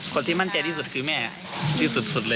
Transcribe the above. คนที่มั่นใจที่สุดคือแม่ที่สุดเลย